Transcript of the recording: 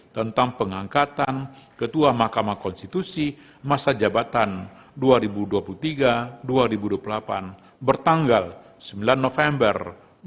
tentang pengangkatan ketua mahkamah konstitusi masa jabatan dua ribu dua puluh tiga dua ribu dua puluh delapan bertanggal sembilan november dua ribu dua puluh